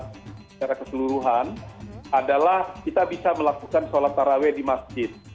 secara keseluruhan adalah kita bisa melakukan sholat taraweh di masjid